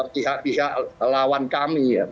pihak bisa lawan kami ya